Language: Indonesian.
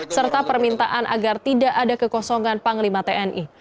serta permintaan agar tidak ada kekosongan panglima tni